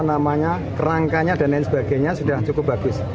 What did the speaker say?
namanya kerangkanya dan lain sebagainya sudah cukup bagus